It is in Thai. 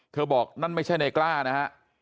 เธอบอกนั่นไม่ใช่นายกล้านะ